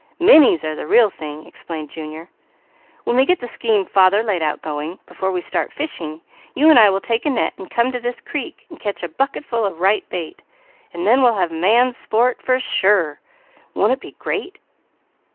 "Minnies are the real thing," explained Junior. "When we get the scheme father laid out going, before we start fishing, you and I will take a net and come to this creek and catch a bucketful of right bait, and then we'll have man's sport, for sure. Won't it be great?"